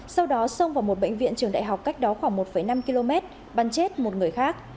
sau đó xông vào một bệnh viện trường đại học cách đó khoảng một năm km bắn chết một người khác